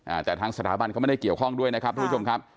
อ่าแต่ทางสถาบันเขาไม่ได้เกี่ยวข้องด้วยนะครับทุกผู้ชมครับ